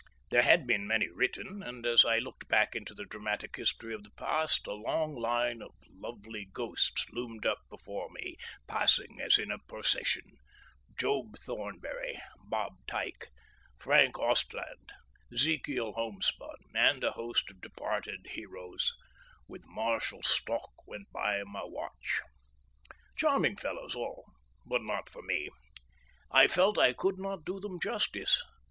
There had been many written, and as I looked back into the dramatic history of the past a long line of lovely ghosts loomed up before me, passing as in a procession: Job Thornberry, Bob Tyke, Frank Ostland, Zekiel Homespun, and a host of departed heroes "with martial stalk went by my watch." Charming fellows all, but not for me, I felt I could not do them justice.